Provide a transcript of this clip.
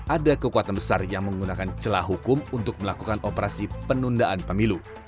ada kekuatan besar yang menggunakan celah hukum untuk melakukan operasi penundaan pemilu